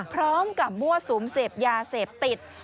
พร้อมกับมั่วสุมเสพยาเสพติด